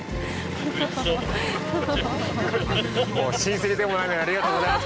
親戚でもないのにありがとうございます。